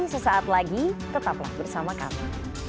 sesaat lagi tetaplah bersama kami